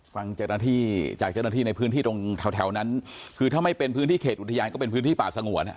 ฟังเจ้าหน้าที่จากเจ้าหน้าที่ในพื้นที่ตรงแถวนั้นคือถ้าไม่เป็นพื้นที่เขตอุทยานก็เป็นพื้นที่ป่าสงวน